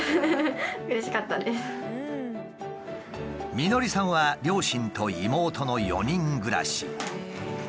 美典さんは両親と妹の４人暮らし。